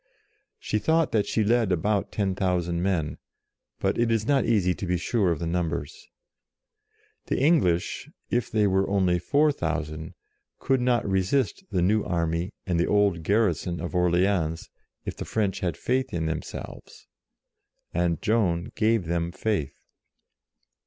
She thought that she led about 10,000 men ; but it is not easy to be sure of the numbers. The 48 JOAN OF ARC English, if they were only 4000, could not resist the new army and the old garrison of Orleans, if the French had faith in themselves; and Joan gave them faith.